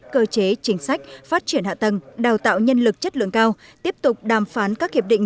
cơ chế chính sách phát triển hạ tầng đào tạo nhân lực chất lượng cao tiếp tục đàm phán các hiệp định